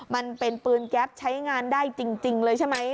มันเป็นปืนแก๊ปใช้งานได้จริงเลยใช่ไหม